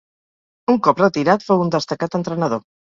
Un cop retirat fou un destacat entrenador.